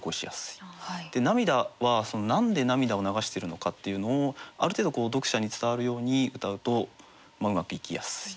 「涙」は何で涙を流してるのかっていうのをある程度読者に伝わるようにうたうとうまくいきやすい。